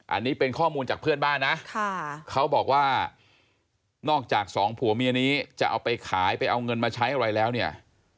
อันนี้เป็นข้อมูลจากเพื่อนบ้านนะเขาบอกว่านอกจากสองผัวเมียนี้จะเอาไปขายไปเอาเงินมาใช้อะไรแล้วเนี่ย